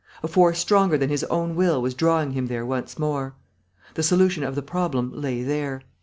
A force stronger than his own will was drawing him there once more. The solution of the problem lay there.